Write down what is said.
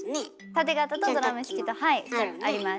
タテ型とドラム式とはいあります。